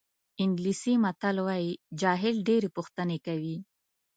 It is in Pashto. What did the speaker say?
انګلیسي متل وایي جاهل ډېرې پوښتنې کوي.